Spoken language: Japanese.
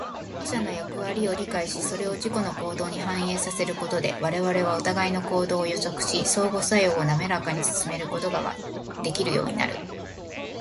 他者の役割を理解し、それを自己の行動に反映させることで、我々はお互いの行動を予測し、相互作用をなめらかに進めることができるようになる。